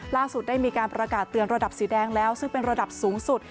ได้มีการประกาศเตือนระดับสีแดงแล้วซึ่งเป็นระดับสูงสุด